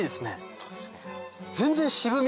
そうですね。